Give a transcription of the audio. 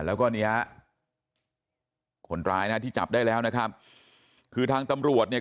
แล้วก็เนี่ยคนร้ายนะที่จับได้แล้วนะครับคือทางตำรวจเนี่ย